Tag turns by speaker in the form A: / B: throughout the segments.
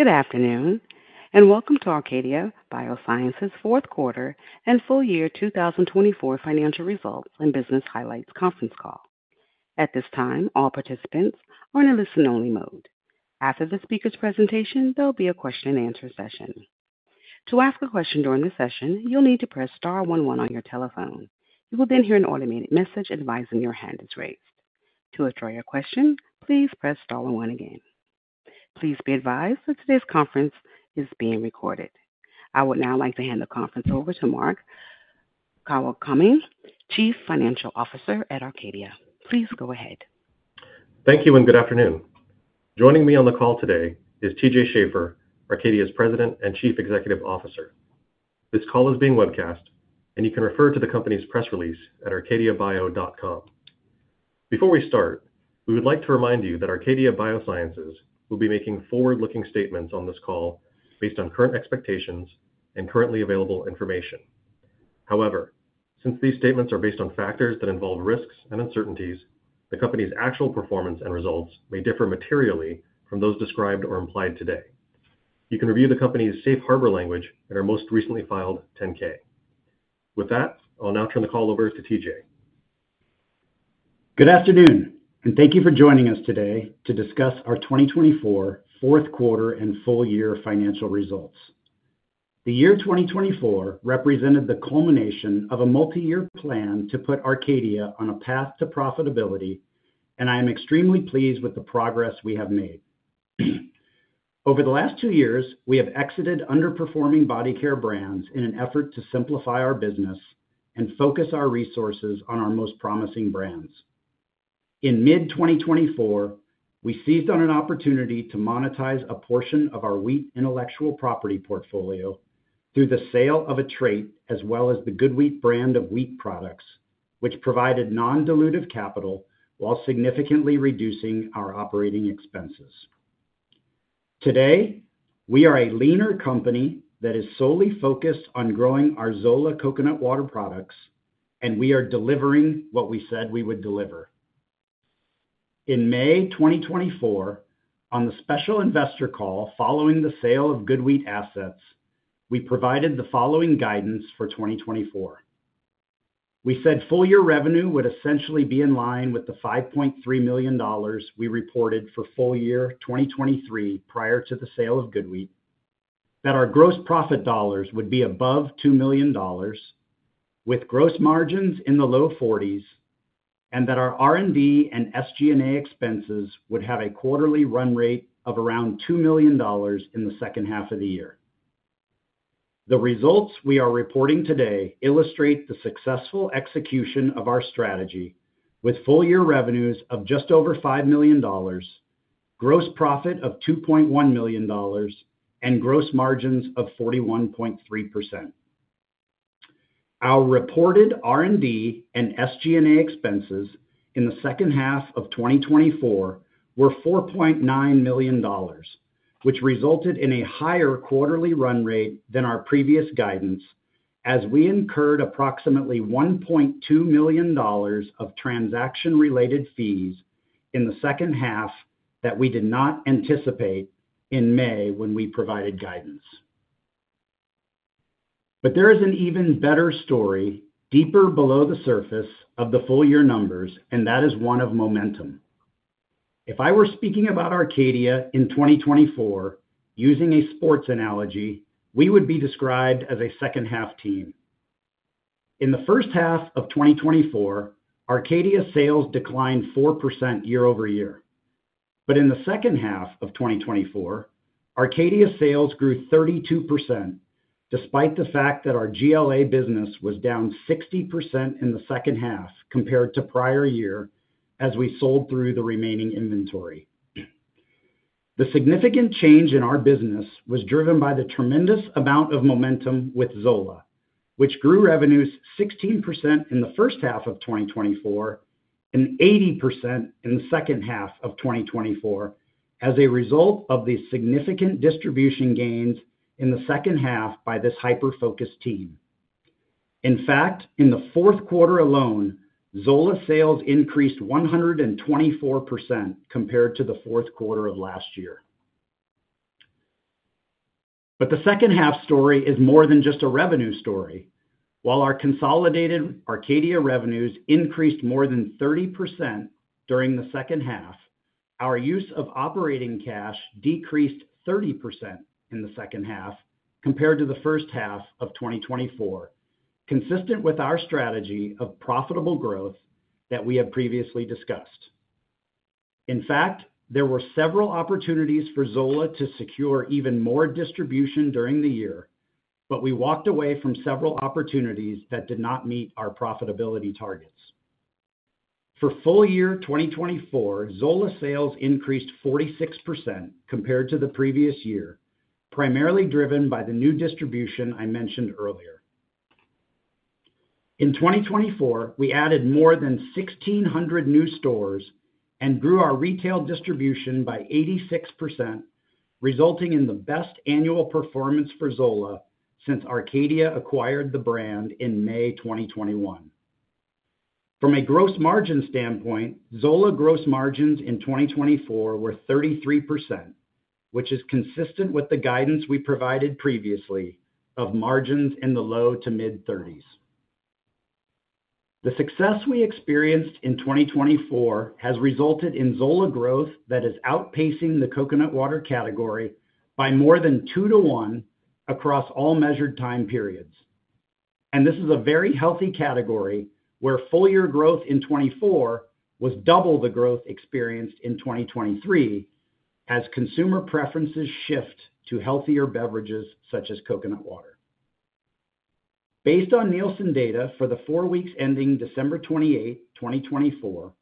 A: Good afternoon and welcome to Arcadia Biosciences' fourth quarter and full year 2024 financial results and business highlights conference call. At this time, all participants are in a listen-only mode. After the speaker's presentation, there will be a question-and-answer session. To ask a question during the session, you'll need to press star 11 on your telephone. You will then hear an automated message advising your hand is raised. To withdraw your question, please press star one one again. Please be advised t hat today's conference is being recorded. I would now like to hand the conference over to Mark Kawakami, Chief Financial Officer at Arcadia. Please go ahead.
B: Thank you and good afternoon. Joining me on the call today is T.J. Schaefer, Arcadia's President and Chief Executive Officer. This call is being webcast, and you can refer to the company's press release at arcadiabio.com. Before we start, we would like to remind you that Arcadia Biosciences will be making forward-looking statements on this call based on current expectations and currently available information. However, since these statements are based on factors that involve risks and uncertainties, the company's actual performance and results may differ materially from those described or implied today. You can review the company's safe harbor language and our most recently filed 10-K. With that, I'll now turn the call over to T.J.
C: Good afternoon, and thank you for joining us today to discuss our 2024 fourth quarter and full year financial results. The year 2024 represented the culmination of a multi-year plan to put Arcadia on a path to profitability, and I am extremely pleased with the progress we have made. Over the last two years, we have exited underperforming body care brands in an effort to simplify our business and focus our resources on our most promising brands. In mid-2024, we seized on an opportunity to monetize a portion of our wheat intellectual property portfolio through the sale of a trait, as well as the GoodWheat brand of wheat products, which provided non-dilutive capital while significantly reducing our operating expenses. Today, we are a leaner company that is solely focused on growing our Zola coconut water products, and we are delivering what we said we would deliver. In May 2024, on the special investor call following the sale of GoodWheat assets, we provided the following guidance for 2024. We said full year revenue would essentially be in line with the $5.3 million we reported for full year 2023 prior to the sale of GoodWheat, that our gross profit dollars would be above $2 million, with gross margins in the low 40s, and that our R&D and SG&A expenses would have a quarterly run rate of around $2 million in the second half of the year. The results we are reporting today illustrate the successful execution of our strategy, with full year revenues of just over $5 million, gross profit of $2.1 million, and gross margins of 41.3%. Our reported R&D and SG&A expenses in the second half of 2024 were $4.9 million, which resulted in a higher quarterly run rate than our previous guidance, as we incurred approximately $1.2 million of transaction-related fees in the second half that we did not anticipate in May when we provided guidance. There is an even better story deeper below the surface of the full year numbers, and that is one of momentum. If I were speaking about Arcadia in 2024, using a sports analogy, we would be described as a second-half team. In the first half of 2024, Arcadia sales declined 4% year over year. In the second half of 2024, Arcadia sales grew 32%, despite the fact that our GLA business was down 60% in the second half compared to prior year as we sold through the remaining inventory. The significant change in our business was driven by the tremendous amount of momentum with Zola, which grew revenues 16% in the first half of 2024 and 80% in the second half of 2024 as a result of the significant distribution gains in the second half by this hyper-focused team. In fact, in the fourth quarter alone, Zola sales increased 124% compared to the fourth quarter of last year. The second half story is more than just a revenue story. While our consolidated Arcadia revenues increased more than 30% during the second half, our use of operating cash decreased 30% in the second half compared to the first half of 2024, consistent with our strategy of profitable growth that we have previously discussed. In fact, there were several opportunities for Zola to secure even more distribution during the year, but we walked away from several opportunities that did not meet our profitability targets. For full year 2024, Zola sales increased 46% compared to the previous year, primarily driven by the new distribution I mentioned earlier. In 2024, we added more than 1,600 new stores and grew our retail distribution by 86%, resulting in the best annual performance for Zola since Arcadia acquired the brand in May 2021. From a gross margin standpoint, Zola gross margins in 2024 were 33%, which is consistent with the guidance we provided previously of margins in the low to mid-30s. The success we experienced in 2024 has resulted in Zola growth that is outpacing the coconut water category by more than 2 to 1 across all measured time periods. This is a very healthy category where full year growth in 2024 was double the growth experienced in 2023 as consumer preferences shift to healthier beverages such as coconut water. Based on Nielsen data for the four weeks ending December 28, 2024,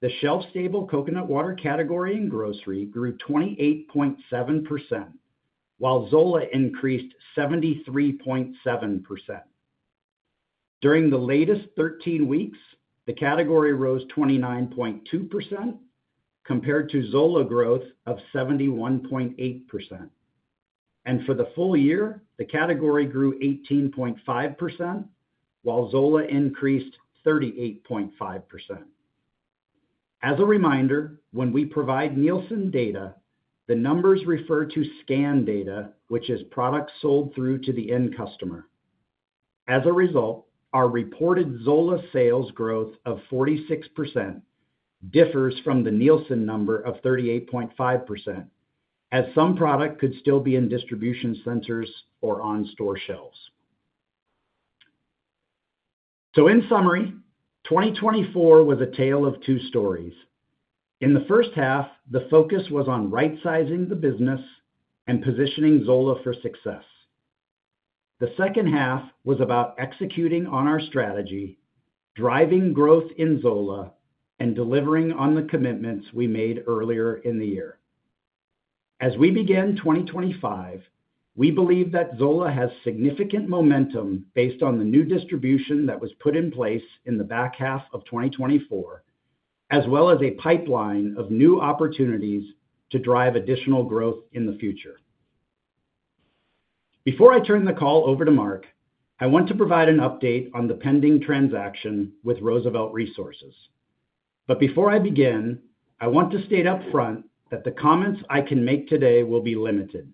C: the shelf-stable coconut water category in grocery grew 28.7%, while Zola increased 73.7%. During the latest 13 weeks, the category rose 29.2% compared to Zola growth of 71.8%. For the full year, the category grew 18.5%, while Zola increased 38.5%. As a reminder, when we provide Nielsen data, the numbers refer to scan data, which is product sold through to the end customer. As a result, our reported Zola sales growth of 46% differs from the Nielsen number of 38.5%, as some product could still be in distribution centers or on store shelves. In summary, 2024 was a tale of two stories. In the first half, the focus was on right-sizing the business and positioning Zola for success. The second half was about executing on our strategy, driving growth in Zola, and delivering on the commitments we made earlier in the year. As we begin 2025, we believe that Zola has significant momentum based on the new distribution that was put in place in the back half of 2024, as well as a pipeline of new opportunities to drive additional growth in the future. Before I turn the call over to Mark, I want to provide an update on the pending transaction with Roosevelt Resources. Before I begin, I want to state upfront that the comments I can make today will be limited.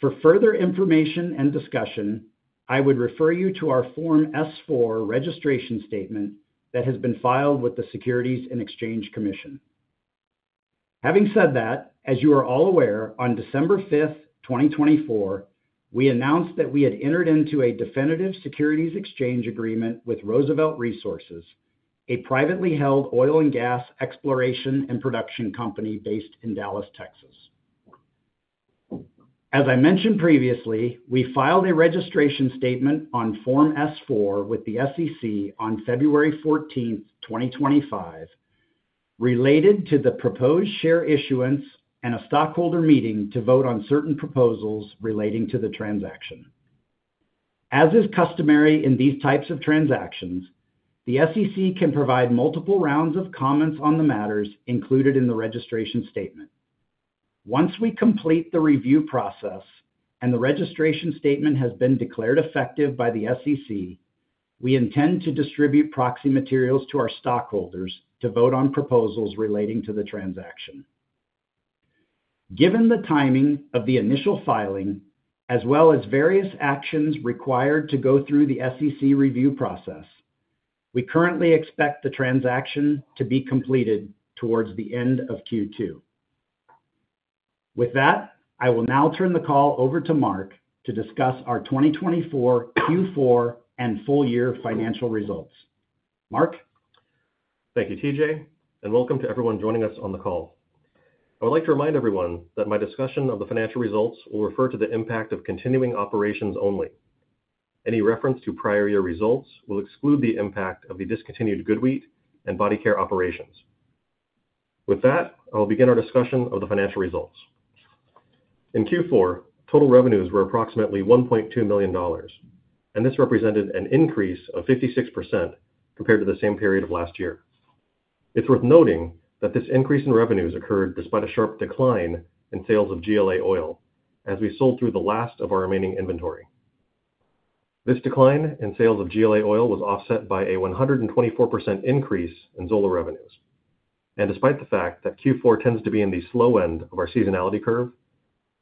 C: For further information and discussion, I would refer you to our Form S-4 registration statement that has been filed with the Securities and Exchange Commission. Having said that, as you are all aware, on December 5, 2024, we announced that we had entered into a definitive securities exchange agreement with Roosevelt Resources, a privately held oil and gas exploration and production company based in Dallas, Texas. As I mentioned previously, we filed a registration statement on Form S-4 with the SEC on February 14, 2025, related to the proposed share issuance and a stockholder meeting to vote on certain proposals relating to the transaction. As is customary in these types of transactions, the SEC can provide multiple rounds of comments on the matters included in the registration statement. Once we complete the review process and the registration statement has been declared effective by the SEC, we intend to distribute proxy materials to our stockholders to vote on proposals relating to the transaction. Given the timing of the initial filing, as well as various actions required to go through the SEC review process, we currently expect the transaction to be completed towards the end of Q2. With that, I will now turn the call over to Mark to discuss our 2024 Q4 and full year financial results. Mark?
B: Thank you, T.J., and welcome to everyone joining us on the call. I would like to remind everyone that my discussion of the financial results will refer to the impact of continuing operations only. Any reference to prior year results will exclude the impact of the discontinued GoodWheat and body care operations. With that, I will begin our discussion of the financial results. In Q4, total revenues were approximately $1.2 million, and this represented an increase of 56% compared to the same period of last year. It's worth noting that this increase in revenues occurred despite a sharp decline in sales of GLA oil, as we sold through the last of our remaining inventory. This decline in sales of GLA oil was offset by a 124% increase in Zola revenues. Despite the fact that Q4 tends to be in the slow end of our seasonality curve,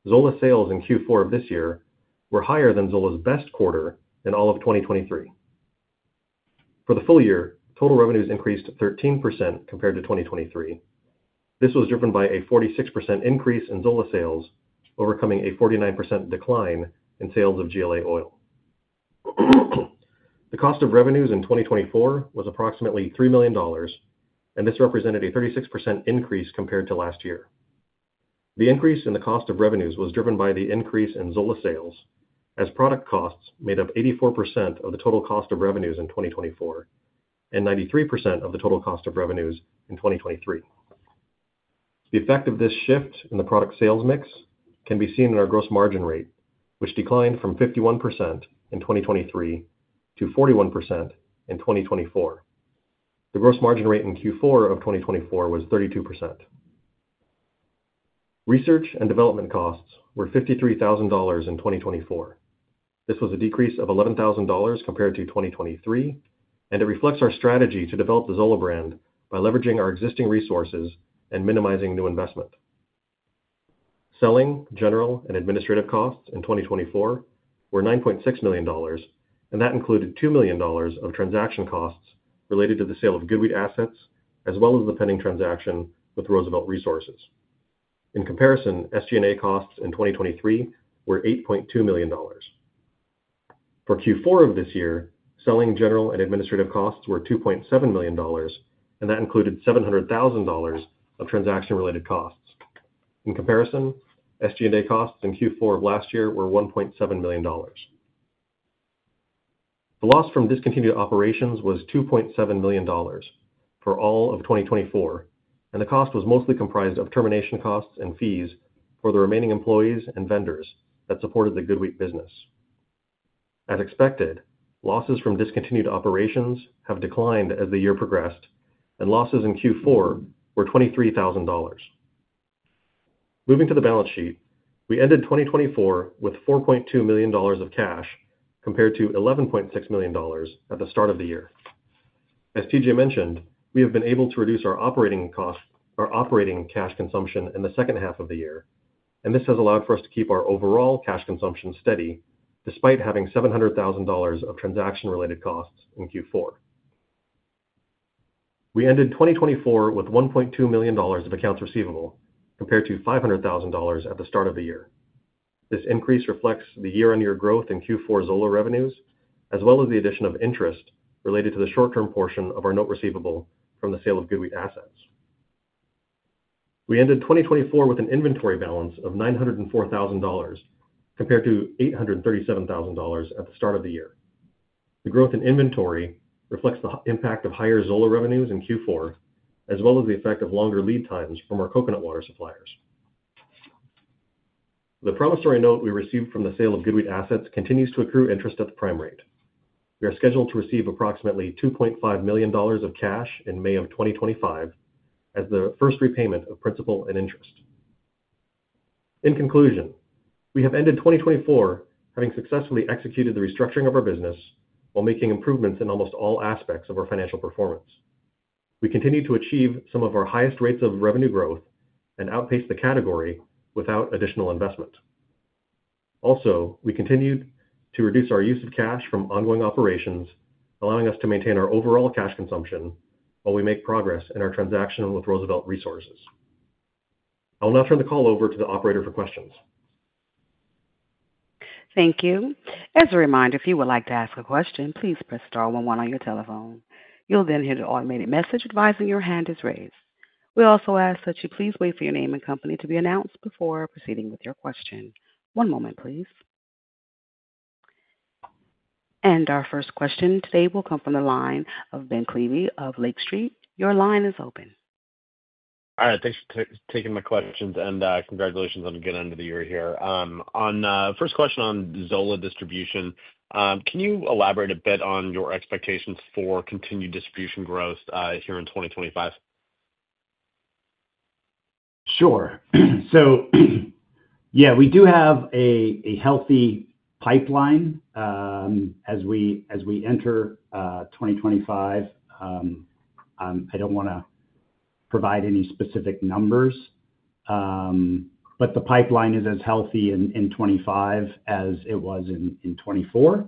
B: Zola sales in Q4 of this year were higher than Zola's best quarter in all of 2023. For the full year, total revenues increased 13% compared to 2023. This was driven by a 46% increase in Zola sales, overcoming a 49% decline in sales of GLA oil. The cost of revenues in 2024 was approximately $3 million, and this represented a 36% increase compared to last year. The increase in the cost of revenues was driven by the increase in Zola sales, as product costs made up 84% of the total cost of revenues in 2024 and 93% of the total cost of revenues in 2023. The effect of this shift in the product sales mix can be seen in our gross margin rate, which declined from 51% in 2023 to 41% in 2024. The gross margin rate in Q4 of 2024 was 32%. Research and development costs were $53,000 in 2024. This was a decrease of $11,000 compared to 2023, and it reflects our strategy to develop the Zola brand by leveraging our existing resources and minimizing new investment. Selling, general, and administrative costs in 2024 were $9.6 million, and that included $2 million of transaction costs related to the sale of GoodWheat assets, as well as the pending transaction with Roosevelt Resources. In comparison, SG&A costs in 2023 were $8.2 million. For Q4 of this year, selling, general, and administrative costs were $2.7 million, and that included $700,000 of transaction-related costs. In comparison, SG&A costs in Q4 of last year were $1.7 million. The loss from discontinued operations was $2.7 million for all of 2024, and the cost was mostly comprised of termination costs and fees for the remaining employees and vendors that supported the GoodWheat business. As expected, losses from discontinued operations have declined as the year progressed, and losses in Q4 were $23,000. Moving to the balance sheet, we ended 2024 with $4.2 million of cash compared to $11.6 million at the start of the year. As T.J. mentioned, we have been able to reduce our operating cash consumption in the second half of the year, and this has allowed for us to keep our overall cash consumption steady despite having $700,000 of transaction-related costs in Q4. We ended 2024 with $1.2 million of accounts receivable compared to $500,000 at the start of the year. This increase reflects the year-on-year growth in Q4 Zola revenues, as well as the addition of interest related to the short-term portion of our note receivable from the sale of GoodWheat assets. We ended 2024 with an inventory balance of $904,000 compared to $837,000 at the start of the year. The growth in inventory reflects the impact of higher Zola revenues in Q4, as well as the effect of longer lead times from our coconut water suppliers. The promissory note we received from the sale of GoodWheat assets continues to accrue interest at the prime rate. We are scheduled to receive approximately $2.5 million of cash in May of 2025 as the first repayment of principal and interest. In conclusion, we have ended 2024 having successfully executed the restructuring of our business while making improvements in almost all aspects of our financial performance. We continue to achieve some of our highest rates of revenue growth and outpace the category without additional investment. Also, we continued to reduce our use of cash from ongoing operations, allowing us to maintain our overall cash consumption while we make progress in our transaction with Roosevelt Resources. I will now turn the call over to the operator for questions.
A: Thank you. As a reminder, if you would like to ask a question, please press star 11 on your telephone. You'll then hear the automated message advising your hand is raised. We also ask that you please wait for your name and company to be announced before proceeding with your question. One moment, please. Our first question today will come from the line of Ben Klieve of Lake Street. Your line is open.
D: All right. Thanks for taking my questions, and congratulations on a good end of the year here. On first question on Zola distribution, can you elaborate a bit on your expectations for continued distribution growth here in 2025?
C: Sure. Yeah, we do have a healthy pipeline as we enter 2025. I do not want to provide any specific numbers, but the pipeline is as healthy in 2025 as it was in 2024.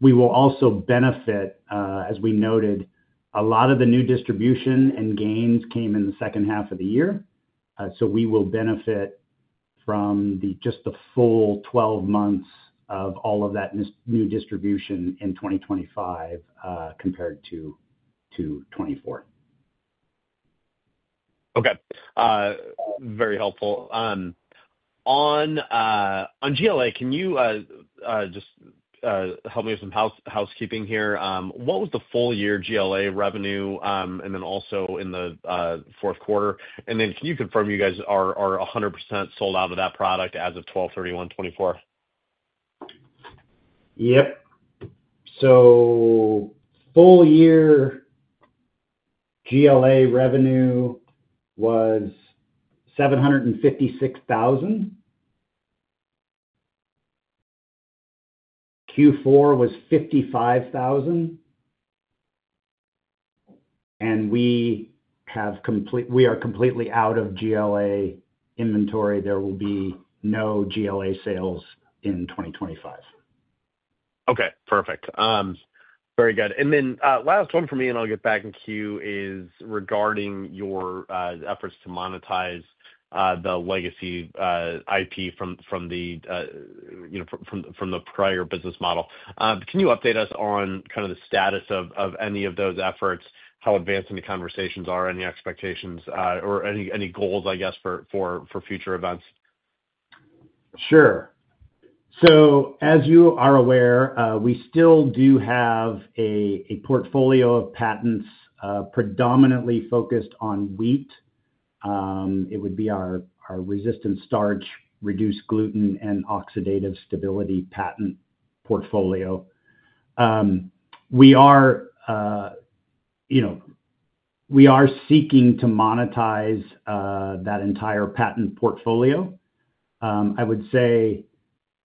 C: We will also benefit, as we noted, a lot of the new distribution and gains came in the second half of the year. We will benefit from just the full 12 months of all of that new distribution in 2025 compared to 2024.
D: Okay. Very helpful. On GLA, can you just help me with some housekeeping here? What was the full year GLA revenue, and then also in the fourth quarter? Can you confirm you guys are 100% sold out of that product as of 12/31/2024?
C: Yep. Full year GLA revenue was $756,000. Q4 was $55,000. We are completely out of GLA inventory. There will be no GLA sales in 2025.
D: Okay. Perfect. Very good. Last one for me, and I'll get back in queue, is regarding your efforts to monetize the legacy IP from the prior business model. Can you update us on kind of the status of any of those efforts, how advanced any conversations are, any expectations, or any goals, I guess, for future events?
C: Sure. As you are aware, we still do have a portfolio of patents predominantly focused on wheat. It would be our resistant starch, reduced gluten, and oxidative stability patent portfolio. We are seeking to monetize that entire patent portfolio. I would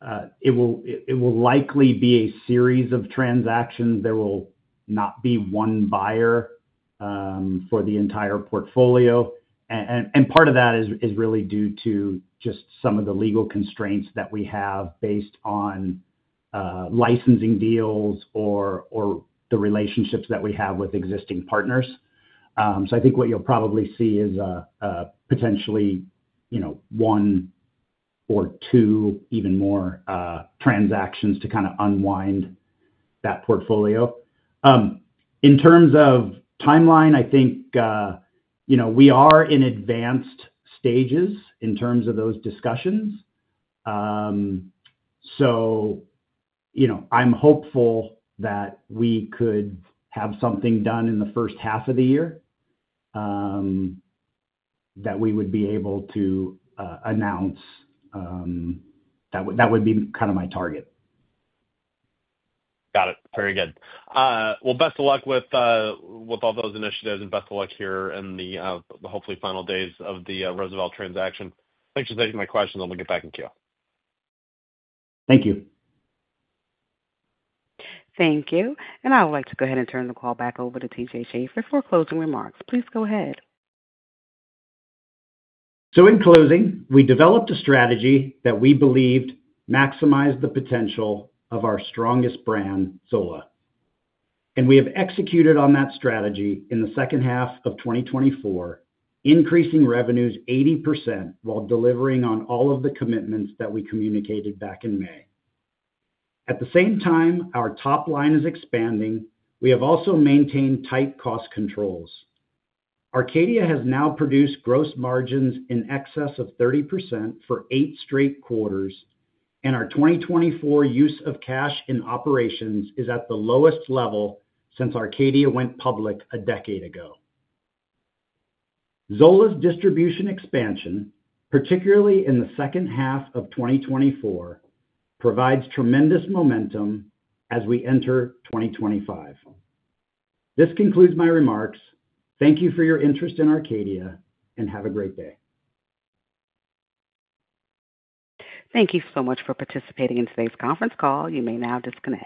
C: say it will likely be a series of transactions. There will not be one buyer for the entire portfolio. Part of that is really due to just some of the legal constraints that we have based on licensing deals or the relationships that we have with existing partners. I think what you'll probably see is potentially one or two, even more, transactions to kind of unwind that portfolio. In terms of timeline, I think we are in advanced stages in terms of those discussions. I'm hopeful that we could have something done in the first half of the year that we would be able to announce. That would be kind of my target.
D: Got it. Very good. Well, best of luck with all those initiatives, and best of luck here in the hopefully final days of the Roosevelt transaction. Thanks for taking my questions. I'll get back in queue.
C: Thank you.
A: Thank you. I would like to go ahead and turn the call back over to T.J. Schaefer for closing remarks. Please go ahead.
C: In closing, we developed a strategy that we believed maximized the potential of our strongest brand, Zola. We have executed on that strategy in the second half of 2024, increasing revenues 80% while delivering on all of the commitments that we communicated back in May. At the same time, our top line is expanding. We have also maintained tight cost controls. Arcadia has now produced gross margins in excess of 30% for eight straight quarters, and our 2024 use of cash in operations is at the lowest level since Arcadia went public a decade ago. Zola's distribution expansion, particularly in the second half of 2024, provides tremendous momentum as we enter 2025. This concludes my remarks. Thank you for your interest in Arcadia, and have a great day.
A: Thank you so much for participating in today's conference call. You may now disconnect.